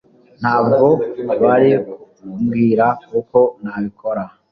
ntabwo bari kumbwira uko nabikora